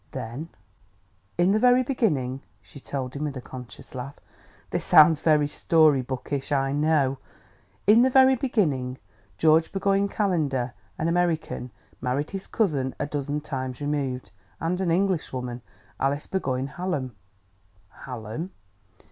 Then, "In the very beginning," she told him with a conscious laugh, "this sounds very story bookish, I know in the very beginning, George Burgoyne Calendar, an American, married his cousin a dozen times removed, and an Englishwoman, Alice Burgoyne Hallam." "Hallam!"